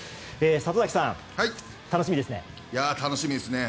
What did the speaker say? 里崎さん、楽しみですね。